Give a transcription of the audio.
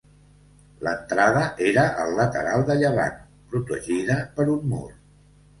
L'entrada era al lateral de llevant, protegida per un mur.